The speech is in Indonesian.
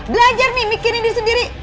belajar nih bikinin diri sendiri